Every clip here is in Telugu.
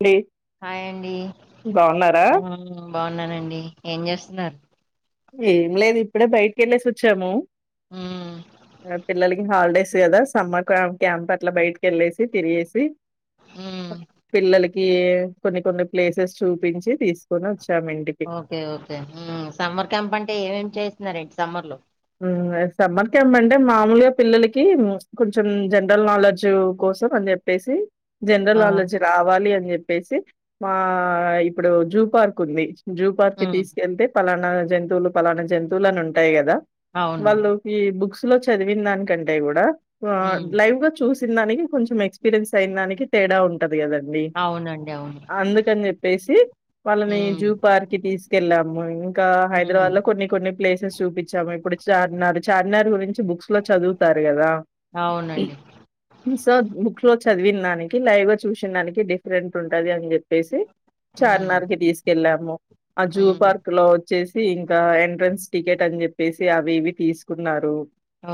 అండి హాయ్ అండి బాగున్నారా ఏమో బాగున్నానండి ఏం చేస్తున్నారు ఏం లేదు ఇప్పుడే బయటికి వెళ్ళేసి వచ్చాము ఉమ్ ఆ పిల్లలకి హాలిడేస్ కదా సమ్మ కాబట్టి అంతా అట్లా బయటకి వెళ్ళేసి తిరియేసి ఉమ్ పిల్లలకి కొన్ని కొన్ని ప్లేసెస్ చూపించి తీసుకొని వచ్చి ఓకే ఓకే ఉ సమ్మర్ క్యాంప్ అంటే ఏమేం చేసినారు ఏంటి సమ్మర్ లో సమ్మర్ క్యాంప్ అంటే మామూలుగా పిల్లలకి కొంచెం జనరల్ నాలెడ్జ్ కో కోసం అని చెప్పేసి జనరల్ ఆ నాలెడ్జ్ రావాలి అని చెప్పేసి మా ఇప్పుడు జూ పార్క్ ఉంది జూ పార్ కి ఉమ్ తీసుకెళ్తే పలానా జంతువులు పలానా జంతువులు అని ఉంటాయి కదా అవును వాళ్ళుకి బుక్స్ లో చదివిన దానికంటే కూడా వా ఉమ్ లైవ్ గా చూసి సిందానికి కొంచం ఎక్స్పీరియన్స్ అయిన దానికి తేడా ఉంటుది ది కద అండి అవునండి అవును అందుకని చెప్పేసి వాళ్ళని ఉమ్ జూ పార్ కి థిస్ కెళ్ళాము ఇంకా ఉమ్ హైదరాబాద్ లో కొన్ని కొన్ని ప్లేసెస్ చూపించాము ఇప్పుడు చార్మినార్ చార్మినార్ గురించి బుక్స్ లో చదువుతారు కదా అవునండి సో బుక్ లో చదివిన దానికి లైవ్గా చూసిన దానికి డిఫరెంట్ ఉంటది అని చెప్పేసి ఉమ్ చార్మినార్ కి తీసుకెళ్ళాము ఆ జూ ఉమ్ పార్క్ లో వచ్చేసి ఇంకా ఎంట్రన్స్ టికెట్ అని చెప్పేసి అవి ఇవి తీసుకున్నారు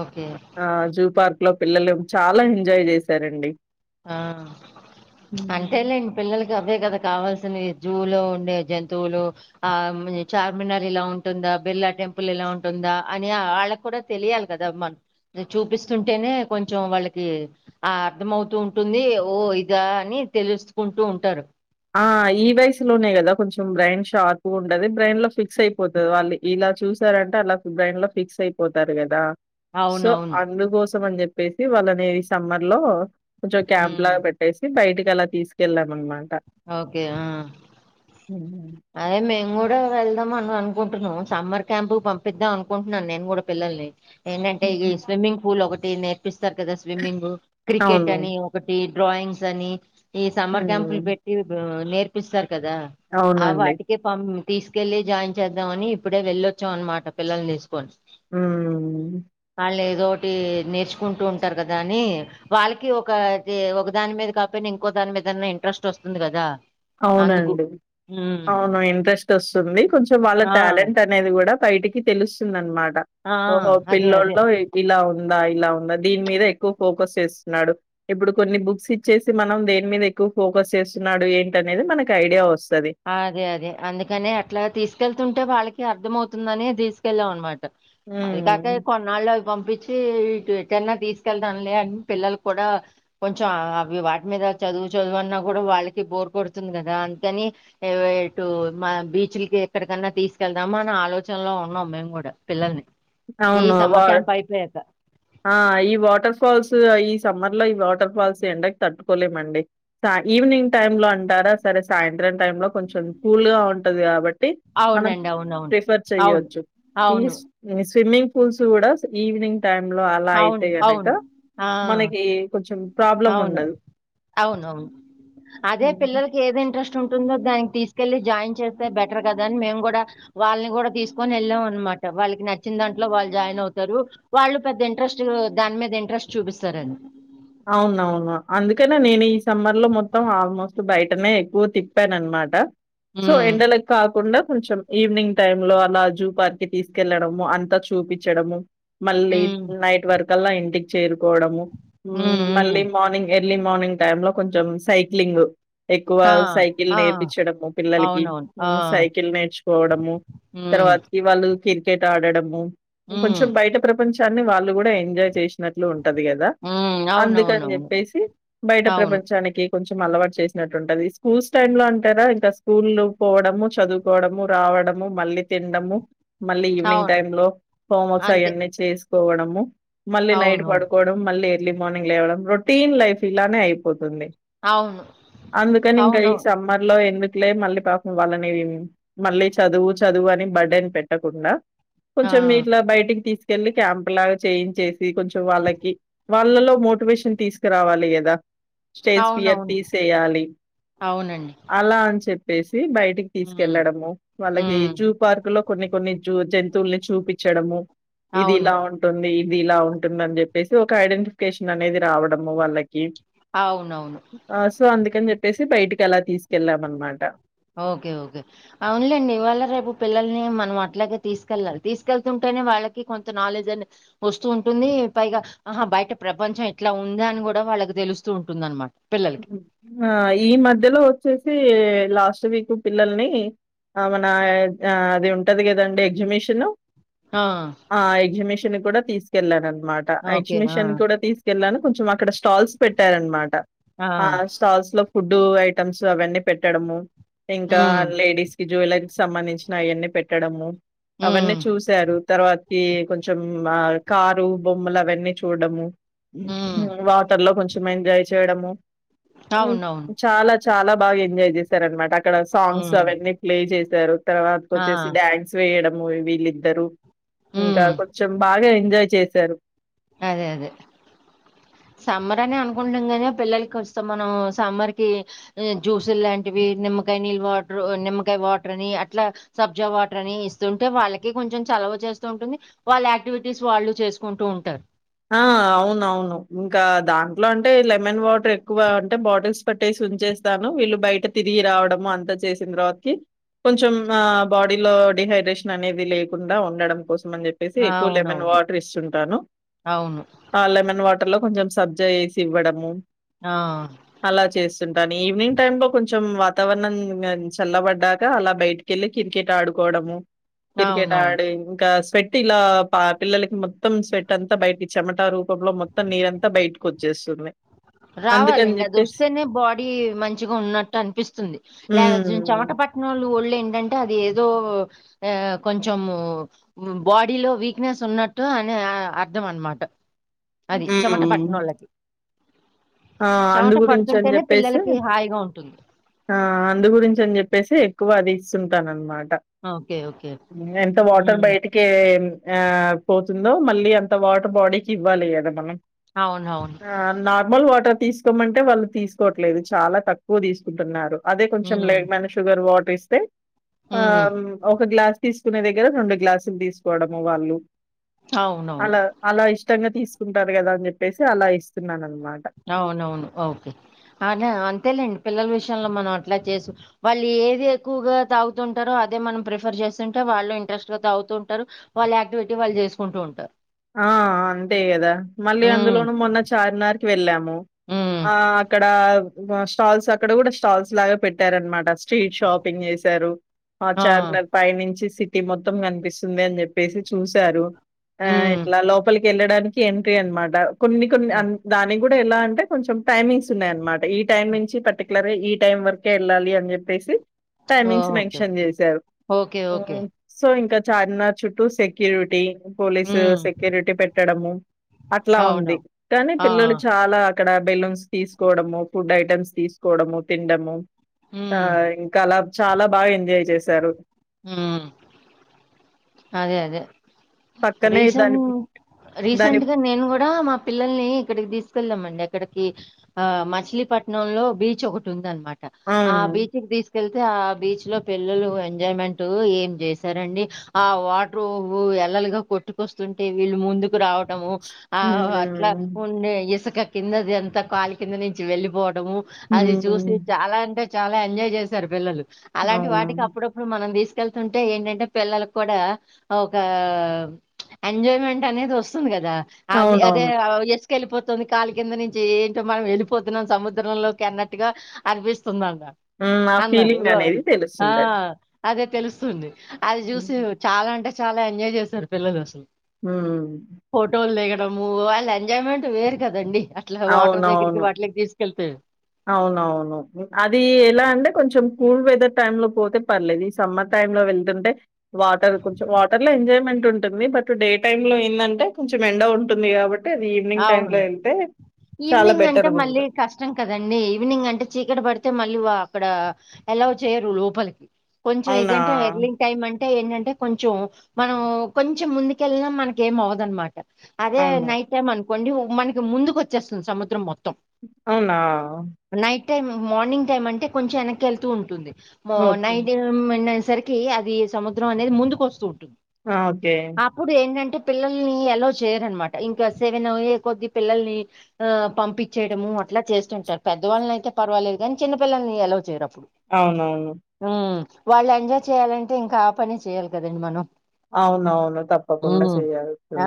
ఓకే ఆ జూ పార్క్ లో పిల్లలు చాలా ఎంజాయ్ చేశారండి ఆ అంటే లేన్ డి పిల్లలకి గవ్వే కద కావాల్సినవి జూలో ఉండే జంతువులు ఆ చార్మినార్ ఇలా ఉంటుంద బెల్లా టెంపుల్ ఎలా ఉంటుందా అని వాళ్ళకి కూడా తెలియాలి కదా మన్ చూపిస్తుంటేనే కొంచెం వాళ్ళకి ఆ అర్థమవుతూ ఉం టుంది ఓ ఇదా అని తెలుసుకుంటూ ఉంటారు ఆ ఈ వయసు లోనే గదా కొంచెం బ్రెయిన్ షార్పు గా ఉంటది బ్రెయిన్ లో ఫిక్స్ అయిపోతది వాళ్ళి ఇలా లా చూసారంటే అలా బ్రైన్ లో ఫిక్స్ అయిపోతారు గదా సో అవునవును అందుకోసమని జెప్పేసి వాళ్ళని ఈ సమ్మర్ లో కొంచెం క్యాంప్ ఉమ్, లాగా పెట్టేసి బయటికి అలా తీసుకెళ్ళాం అనమాట ఓకే ఆ హుహు. అదే మేమ్ గుడ్ డా వెళ్దాం అని అనుకుంటున్నాం సమ్మర్ క్యాంప్ పంపిద్దాం అనుకుంటున్నాను నేను గుడా పిల్లల్ని ఏంటంటే ఇగొ హుహు. ఈ స్విమ్మింగ్ పూల్ ఒకటి నేర్పిస్తార్ కదా స్విమ్మింగు క్రికెట్ అవును. అని ఒకటి డ్రాయింగ్స్ అని ఈ సమ్మర్ క్యాంప్లు హ్మ్. పెట్టి నేర్పిస్తార్ గదా ఆ అవునండి. వాటికే పమ్ తీసుకెళ్లి జాయిన్ చేద్దామని ఇప్పుడే వెళ్ళొచ్చాం అనమాట పిల్లల్ని దీసుకోని ఊ లేదోటి నేర్చుకుంటూ ఉంటారు గదా అని వాళ్ళకి ఒక ది ఒక దాని మీద కాక ఇంకో దాని మీదన్నా ఇంట్రెస్ట్ వస్తుంది గదా అవునండి అవును ఇంట్రెస్ట్ వస్తుంది కొంచెం వాళ్ళ ఆ టాలెంట్ అనేది గూడా బయటికి తెలుస్తుందనమాట ఆ ఓహో అదే అదే. పిల్ల్లోల్లో ఇలా ఉం ఉందా ఇలా ఉందా దీని మీద ఎక్కువ ఫోకస్ చేస్తున్నాడు ఇప్పుడు కొన్ని బుక్స్ ఇచ్చేసి మనం దేని మీద కు ఫోకస్ చేస్తున్నాడు ఏంటినేది మనకి ఐడియా వొస్ అదే అదే అందుకనే అట్లా తీసుకెళ్తుంటే వాళ్ళకి అర్ద అవుతుందనె దీసుకెళ్ళాం అనమాట అది కాక హ్మ్. కొన్నాళ్ళు అవి పంపించి ఇటు ఎటన్నా దీసుకెళ్దాం లే అని పిల్లలు కూడా కొంచెం అవి వాటి మీద చదువు చదువు అన్నా గుడా వాళ్ళకి బోర్ కొడుతుంది గదా అంద్ కని వ ఇటు మా బీచ్లకి ఎక్కడికన్నా తీసుకెళ్దామా అని ఆలోచనలో ఉన్నాం మేము కూడా పిల్లల్ని ఈ అవును వా సమ్మర్ క్యాంప్ అయిపోయాక. ఆ ఈ వాటర్ ఫాల్సు ఈ సమ్మర్ లో ఈ వాటర్ ఫాల్స్ ఎండకి తట్టుకోలేమండి ఈవినింగ్ టైమ్ లో అంటారా సరే సాయం త్రం టైం లో కొంచెం కూల్ గా ఉంటది గాబట్టి ట్టి మనం అవునండి అవునవును. ప్రిఫర్ అవును. చెయ్యచ్చు ఈ అవును. స్విమ్మింగ్ పూల్స్ గుడా ఈవినింగ్ టైం లో అలా అవును. అయితే గనక అవును. ఆ! మనకి కొంచెం ప్రాబ్లం అవును. ఉండదు అవునవును అదే హ్మ్. పిల్లలకి ఏది ఇంట్రెస్ట్ ఉంటుందో దానికి తీసుకెళ్ళలి జాయిన్ చేస్తే బెటర్ కదా అని మేము గుడా వాళ్ళని గుడా తీసుకొని వెళ్ళాం అనమా ట వాళ్ళకి నచ్చిన దాంట్లో వాళ్ళు జాయిన్ అవుతారు వాళ్ళు పెద్ద ఇంట్రెస్టు దాని మీద ఇంట్రెస్ట్ చూపిస్తారని అవునవును అందుకనే నేను ఈ సమ్మర్ లో మొత్తం ఆల్మోస్ట్ బయటనే ఎక్కువ తిప్పాను అనమాట సో ఉమ్, ఎండలక్క్ కాకుండా కొంచెం ఈవినింగ్ టైమ్ లో అలా జూ పార్క్ కి తీసుకెళ్లడము అంతా చూపిచ్చడము మళ్ళీ ఉమ్, నైట్ వరకల్లా ఇంటికి చేరుకోవడము ఉమ్, మళ్ళీ ఉమ్. మార్నింగ్ ఎర్లీ మార్నింగ్ టైమ్ లో కొంచెం సైక్లింగు ఎక్కువ ఆ, సైకిల్ ఆ, నేర్పించడము పిల్లలకి అవునవును ఆ, ఉ సైకిల్ నేర్చుకోవడము ఉమ్, తర్వాత్కి వాళ్ళు క్రికెట్ ఆడడము ఇం ఉమ్, కొంచెం బయట ప్రపంచాన్ని వాళ్ళు గుడా ఎంజాయ్ చేస్ నట్లు ఉంటది గదా ఉమ్, అందుకని అవునవునవును చెప్పేసి బయట అవును ప్రపంచానికి కొంచెం అలవాటు చేసినట్లుంది స్కూల్స్ టైమ్ లో అంటారా ఇంకా స్కూల్ పోవడము చదువుకోవడము రా వడము మళ్ళీ తిండము మళ్ళీ ఈవినింగ్ అవును టైమ్ లో హోం వర్క్స్ అంతే అయన్నీ చేసుకోవడము మళ్ళీ నైట్ అవును పడుకోవడం మళ్ళీ ఎర్లీ మార్నింగ్ లేవడం రొటీన్ లైఫ్ ఇలానే అయిపోతుంది అవును అందుకని ఇంకా అవును ఈ సమ్మర్ లో ఎందు కులే మళ్ళీ పాపం వాళ్ళని మళ్ళీ చదువు చదువు అని బర్ డెన్ పెట్టకుండా ఆ, కొంచెం మీ ఇట్లా బయటికి తీసుకెళ్ళి క్యాంప్ లాగా చేయించేసి కొంచెం వాళ్ళకి వాళ్ళలో మోటివేషన్ తీసుకురావాలి గదా స్టేజ్ ఫియర్ అవునవును తీసేయాలి అవునండి అలా అని చెప్పేస్ బయటికి ఉమ్, తీసుకెళ్లడము వాళ్ళకి ఉమ్, జూ పార్క్ లో కొన్ని కొన్ని జూ జం కోతుల్ని చూపించడము ఇది ఇలా అవును ఉంటుంది ఇది ఇలా ఉంటుంది అని చెప్పేసి ఒక ఐడెంటిఫికేషన్ అనేది రావడము వాళ్ళకి అవునవును సో అందుకని చెప్పేసి బయటికి అలా తీసుకెళ్ళాం అనమాట ఓకే ఓకే అవునులేండి ఇవాళ రేపు పిల్లల్ని మనం అట్లాగే తీసుకెళ్ళాలి తీసుకెళ్తుంటే వాళ్ళకి కొంత నాలెడ్జ్ అని వస్తూ ఉంటుంది పైగా ఆహా బయట ప్రపంచం ఎట్లా ఉంద అని కూడా కూడా వాళ్ళకి తెలుస్తూ ఉంటుందనమాట పిల్లలకి. ఆ ఈ మధ్యలో వచ్చేసి లాస్ట్ వీక్ పిల్లల్ని ఆ మన అది ఉంటది కదండి ఎగ్జిబిషను ఆ! ఆ ఎగ్జిబిషన్ కూడా తీసుకెళ్లాను అనమాట ఓకే. ఆ! ఎగ్జిబిషన్ కూడా తీసుకెళ్లాను కొంచం అక్కడ స్టాల్స్ పెట్టారనమాట ఆ స్టాల్స్ లో ఫుడ్ ఫుడ్డు ఐటమ్స్ అవన్నీ పెట్టడము ఇంకా హ్మ్. లేడీస్ కి జ్యువెలరీస్ సంబంధించిన అవన్నీ పెట్టడము అవన్నీ హ్మ్. చూశారు తర్వాతకి కొంచం ఆ కారు బొమ్మలు అవన్నీ చూడడము హ్మ్. వాటర్ లో కొంచెం ఎంజాయ్ చేయడము అవునవును. చాలా చాలా బాగా ఎంజాయ్ చేశారు అనమాట అక్కడ సాంగ్స్ హ్మ్. అవన్నీ ప్లే చేశారు తర్వాతకు ఆ! వచ్చేసి డ్యాన్స్ వేయడము వీ ళ్ళిద్దరు ఇంకా హ్మ్. కొంచెం బాగా ఎంజాయ్ చేశారు అదే అదే సమ్మర్ అని అనుకుంటుం నీ పిల్లలకి వస్తాం మనం సమ్మర్ కి జ్యూసులు లాంటివి నిమ్మకాయ నీళ్ వాటర్ నిమ్మకాయ వాటర్ అని అట్లా సబ్జా వాటర్ అని ఇస్తుంటే వాళ్ళకి కొంచెం చల చేస్తూ ఉంటుంది వాళ్ళ యాక్టివిటీస్ వాళ్ళు చేసుకుంటూ ఉంటారు ఆ అవున అవును ఇంకా దాంట్లో అంటే లెమన్ వాటర్ ఎక్కువ అంటే బాటిల్స్ పెట్టేసి చేేస్తాను వీళ్ళు బయట తిరిగి రావడము అంతా చేసిన తర్వాతకి కొంచం ఆ బాడీలో డిహైడ్రేషన్ అనేది లేకుండా ఉండడం కోసం అని చెప్పేసి ఆ! ఎక్కువ లెమన్ అవునవును వాటర్ ఇస్తుంటాను అవును వాటర్ లో కొంచెం సబ్జా వేసి ఇవ్వడము ఆ అలా చేస్తుంటాను ఈవినింగ్ టైమ్ లో కొంచెం వాత వాతావరణం చల్లబడ్డాక అలా బయటికి వెళ్లి క్రికెట్ ఆడుకోవడము క్రికెట్ అవునవును ఆడి ఇంకా స్వెట్ ఇలా పిల్లలకి మొత్తం స్వెట్ అంతా బయట చెమట రూపంలో మొత్తం నీరంతా బయటకు వచ్చేస్తుంది రావాలండి అది వస్తేనే బాడీ మంచిగా ఉన్నట్టు అనిపిస్తుంది లేక చెమట హ్మ్. ప పట్నోలు ఒళ్ళు ఏంటంటే అది ఏదో కొంచెం బాడీలో వీక్నెస్ ఉన్నట్టు అ అర్థం అన్నమాట అది చెమట హ్మ్. పట్టనోళ్ళకి ఆ అందు చెమట గురించి అని పడుతుంటేనే చెప్పేసి పిల్లలకి హాయిగా ఉంటుంది ఆ అందు గురించి అని చెప్పేసి ఎక్కువ అది ఇస్తుంటానన్న మాట ఓకే ఓకే ఎంత వాటర్ ఉమ్, బయటికి ఆ పో యిందో మళ్ళీ అంత వాటర్ బాడీ కి ఇవ్వాలి కదా మనం అవునవును ఆ నార్మల్ తీసుకోమంటే వాళ్ళు తీసుకోవట్లేదు చాలా తక్కువ తీసుకుంటున్నారు అదే కొంచెం ఉమ్, లగ మైన షుగర్ వాటర్ ఇస్తే ఆ ఉమ్, ఒక గ్లాస్ తీసుకునే దగ్గర రెండు గ్లాసులు తీసుకోవడము వాళ్ళు అవునవును అలా అలా ఇష్ట ఉతంగా తీసుకుంటారు కదా అని చెప్పేసి అలా ఇస్తున్నాను అనమాట అవునవును ఓకే అలా అంతేలేండి పిల్లల విషయంలో మనం అట్లా చేసు వాళ్ళు ఏది ఎక్కువగా తాగుతుంటారో అదే మనం ప్రిఫర్ చేస్తుంటే వాళ్ళు ఇంట్రెస్ట్గా తాగుతూ ఉంటారు వాళ్ళ యాక్టివిటీ వాళ్ళు చేసుకుంటూ ఉంటారు ఆ అంతే కదా మళ్ళీ ఉమ్, అందులోనూ మొన్న చార్మి నార్కి వెళ్ళాము ఉమ్, ఆ అక్కడ స్టాల్స్ అక్కడ కూడా స్టాల్స్ లాగా పెట్టారనమాట అసలు స్ట్రీట్ షాపింగ్ చేశారు ఆ చార్మినార్ పై నుంచి సిటీ మొత్తం కనిపిస్తుంది అని చెప్పేసి చూసారు ఆ ఉమ్, లోపలికి వెళ్ళడానికి ఎంట్రీ అన్నమాట కొన్ని కొన్ని ఓ- దాని కూడా ఎలా అంటే కొంచెం టైమింగ్స్ ఉన్నాయన్నమాట ఈ టైం నుంచి పర్టికులర్ గా ఈ టైం వరకే వెళ్ళాలి అని చెప్పేసి టైమింగ్స్ ఓకే మెన్షన్ చేశారు ఓకే ఓకే సో ఇంకా చార్మినార్ చుట్టూ సెక్యూరిటీ పోలీసు ఉమ్, సెక్ సెక్యూరిటీ పెట్టడము అట్లా ఉంది అవును కానీ ఆ, పిల్లలు చాలా ఇక్కడ బెలూన్స్ తీసుకోవడము ఫుడ్ ఐటెమ్స్ తీసుకోవడము తినడము ఆ ఉమ్, ఇంకా అలా చాలా బాగా ఎంజాయ్ చేశారు ఉమ్ అదే అదే పక్కనే రీసెంట్ దాని దాని రీసెంట్ గా నేను కూడా మా పిల్లల్ని ఇక్కడికి తీసుకెళ్ళామండి ఇక్కడకి ఆ మచిలీపట్నంలో బీచ్ ఒకటి ఉందన్నమాట ఆ అవును బీచ్ కి తీసుకు వెళ్తే ఆ బీచ్ లో పిల్లలు ఎంజాయ్మెంట్ ఏం చేశారండి ఆ వాటర్ ఎల్లలుగా కొట్టుకొస్తుంటే వీళ్ళు ముందుకు రావటాము ఆ అట్లా హ్మ్ ఉండే ఇసుక కిందది అంతా కాలి కింద నుంచి వెళ్ళిపోవట అది చూసి హ్మ్ చాలా అంటే చాలా ఎంజాయ్ చేశారు పిల్లలు అలాంటి వాటికి అవునవును అప్పుడప్పుడు మనం తీసుకెళ్తుంటే ఏంటంటే పిల్లలకు కూడా ఒక ఎంజాయ్మెంట్ అనేది వస్తుంది కా దా అదే అవునవును వెళ్ళిపోతుంది కాలి కింద నుంచి ఏంటో మనం వెళ్ళిపోతున్నాం సముద్రంలోకి అన్నట్టుగా అనిపిస్తుంది హ్మ్ ఆ అన్నారు ఫీలింగ్ అనేది ఆ తెలుస్తుంటది అదే తెలుస్తుంది అది హ్మ్ చూసి చాలా అంటే చాలా ఎంజాయ్ చేశారు పిల్లలు అసలు ఉమ్ మూ వాళ్ళ ఎంజాయ్మెంట్ వేరు కదండి అవునవును అవునవును అది ఎలా అంటే కొంచెం కూల్ వెదర్ టైమ్ లో పోతే పర్లేదు ఈ సమ్మర్ టైమ్ లో వెళ్తుంటే వాటర్ కొంచెం వాటర్ లో ఎంజాయ్మెంట్ ఉంటుంది బట్ డే టైమ్ లో ఏందంటే కొంచెం ఎండ ఉంటుంది కాబట్టి అది ఈవినింగ్ టైమ్ లో అవును. వెళ్తే ఈవినింగ్ అంటే మళ్ళీ కష్టం కదండి ఈవినింగ్ అంటే చీకటి పడితే మళ్ళీ వా అక్కడ అలో చెయ్యరు లోపలికి కొంచెం అవునా! ఇదంటే హర్లింగ్ టైమ్ అంటే అంటే ఏంటంటే కొంచెం మనం కొంచెం ముందుకెళ్ళా మనకు ఏం అవ్వదన్నమాట అదే అవును. నైట్ టైం అనుకోండి మనకి ముందుకు వచ్చేస్తుంది సముద్రం మొత్తం అవునా నైట్ మార్నింగ్ అంటే కొంచం వెనక్కి వెళ్తూ ఉంటుంది ఓకే. నైట్ ఏ మా సరికి అది సముద్రం అనేది ముందుకు వస్తూ ఉంటుంది ఆ! ఓకే. అప్పుడు ఏందంటే పిల్లల్ని అలో చేయరన్నమాట ఇంకా సెవెన్ అయ్యే కొద్ది పిల్లల్ని పంపించేయడము అట్లా చేస్తుంటారు పెద్దవాళ్ళని అయితే పర్వ లేదు కాని చిన్నపిల్లల్ని అలో చేయరు అవునవును. వాళ్ళు ఎంజాయ్ చేయ్యాలంటే ఇంకా ఆ పనే చెయాలి కదండి మనం అవునవును తప్పకుండా ఉమ్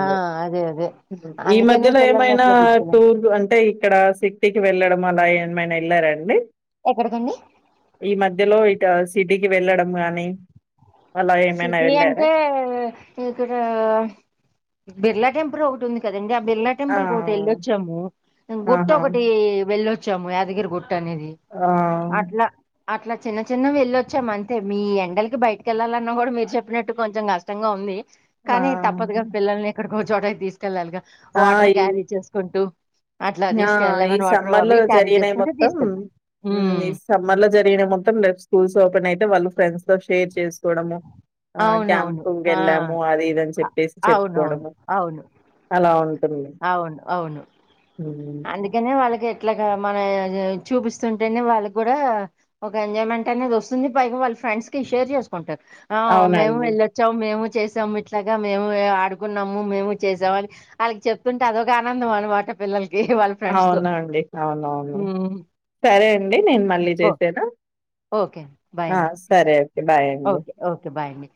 ఆ అదే అదే ఈ అందుకనే మధ్యలో పిల్లల్ని ఏమైనా అట్లా తీసుకెళ్ళాం టూర్ అంటే ఇక్కడ సిటీకి వెళ్ళడం అలా ఏమైనా వెళ్లారా అండి ఎక్కడికండి ఈ మధ్యలో ఇట సిటీ వెళ్ళడం గానీ సిటీ అంటే ఇక్కడ బిర్లా టెంపుల్ ఒకటి ఉంది కదండి బిర్లా ఆ! టెంపుల్ ఒకటి వెళ్ళొచ్చాము గుట్ట ఆహా! ఒకటి వెళ్ళొచ్చాము యాదగిరి గుట్ట అనేది ఆ! అట్లా అట్లా చిన్న చిన్నవి వెళ్ళొచ్చాం అంతే మీ ఎండలకి బయటికెళ్ళాల మీరు చెప్పినట్టు కొంచెం కష్టంగా ఉంది ఆ! కానీ తప్పదుగా పిల్లల్ని ఇక్కడికో ఒక చోటకి తీసుకు కె వెళ్ళాలిగా ఆ! వాటర్ ఈ క్యారీ చేసుకుంటూ అట్లా ఆ తీసుకెళ్ ఈ లెమన్ వాటర్ సమ్మర్ లో అవి క్యారీ జరిగినాయి చేసుకుంటే మొత్తం తీసుకెళ్తాం ఉ ఉమ్ ఈ సమ్మర్ లో జరిగిన మొత్తం రేపు స్కూల్స్ ఓపెన్ అయితే వాళ్ళు ఫ్రెండ్స్ లో షేర్ చేసుకోవడము ఆ అవునవును క్యాంపుంగ్ ఆ వెళ్ళాము అది ఇదని అ- చెప్పేసి అవునవును చెప్పుకోవడము అవును అలా ఉంది అవును అవును హ్మ్. అందుకనే వాళ్ళకి ఎట్లా గా మన చూపిస్తుంటేనే వాళ్ళకి కూడా ఒక ఎంజాయ్మెంట్ అనేది వస్తుంది బైగవ వాల్ ఫ్రెండ్స్ కి షేర్ చేసుకుంటారు ఆ మేము అవునండి. వెళ్ళొచ్చాం మేము చేసాము ఇట్లాగా మేము ఆడుకున్నాము మేము చేసాము అని వాళ్కి చెప్తుంటే అదొక ఆనందం అనమాట పిల్లలకి వాళ్ళ ఫ్రెండ్స్ తో అవునండి అవునవును హ్మ్. సరే అండి నేను మళ్ళీ ఓ చేసేనా ఓకే అండి బాయ్ ఆ! అండి సరే ఓకే. బాయ్ అండి. ఓకే ఓకే బాయ్ అండి